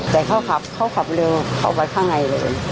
แต่เขาขับเขาขับเร็วขับไปข้างในเลย